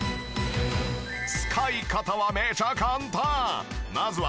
使い方はめちゃ簡単！